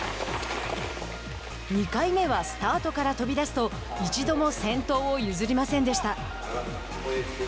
２回目はスタートから飛び出すと一度も先頭を譲りませんでした。